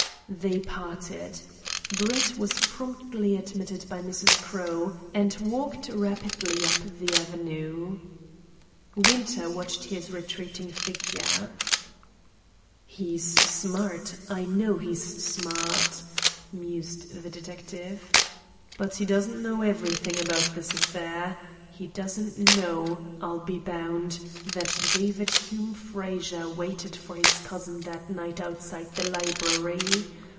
They parted. Brett was promptly admitted by Mrs. Crowe, and walked rapidly up the avenue. Winter watched his retreating figure. "He's smart, I know he's smart," mused the detective. "But he doesn't know everything about this affair. He doesn't know, I'll be bound, that David Hume Frazer waited for his cousin that night outside the library.